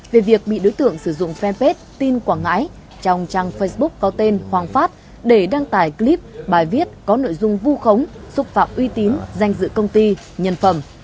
về việc bị đối tượng sử dụng fanpage tin quảng ngãi trong trang facebook có tên hoàng phát để đăng tải clip bài viết có nội dung vu khống xúc phạm uy tín danh dự công ty nhân phẩm